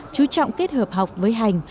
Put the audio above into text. chú trọng kết hợp học với hành